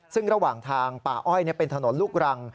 ซึ่งระหว่างทางป่าอ้อยเป็นถนนลูกรัง